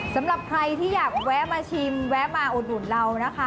สำหรับใครที่อยากแวะมาชิมแวะมาอุดหนุนเรานะคะ